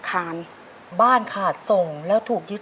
เอียดอีกนิวเจ้า